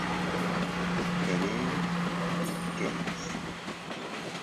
Penney" y "Kellogg's".